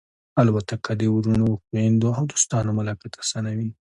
الوتکه د وروڼو، خوېندو او دوستانو ملاقات آسانوي.